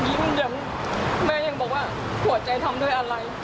ไม่ค่ะยิ้มยิ้มยิ้มแม่ยังบอกว่าหัวใจทำด้วยอะไร